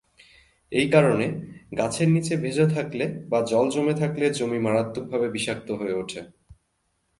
এ কারণে গাছের নিচে ভেজা থাকলে বা জল জমে থাকলে জমি মারাত্মকভাবে বিষাক্ত হয়ে ওঠে।